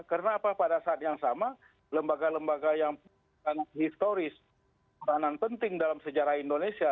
karena apa pada saat yang sama lembaga lembaga yang historis peranan penting dalam sejarah indonesia